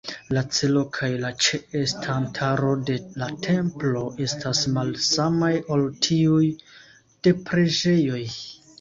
La celo kaj la ĉe-estantaro de la templo estas malsamaj ol tiuj de preĝejoj.